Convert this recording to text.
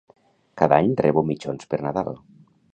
Cada any rebo mitjons per Nadal.